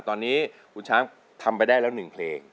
ตอนนี้คุณช้างทำไปได้แล้ว๑เพลง